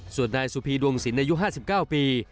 ส่วนนายสุพีดวงสินอายุ๕๙ปี